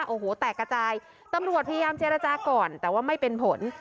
โอ้โหแตกกระจายตำรวจพยายามเจรจาก่อนแต่ว่าไม่เป็นผล